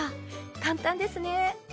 簡単ですね。